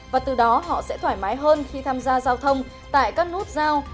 và từ đó họ sẽ thoải mái hơn khi tham gia giao thông tại các nút giao